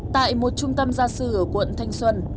tại một trung tâm gia sư ở quận thanh xuân